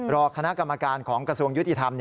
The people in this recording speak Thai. รอคณะกรรมการของกระทรวงยุติธรรม